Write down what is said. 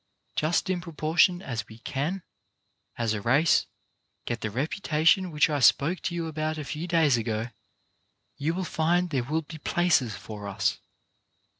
Just in proportion as we can, as EDUCATION THAT EDUCATES 101 a race, get the reputation which I spoke to you about a few days ago, you will find there will be places for us.